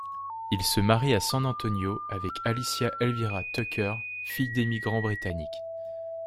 Il se marie à San Antonio avec Alicia Elvira Tucker, fille d’émigrants britanniques.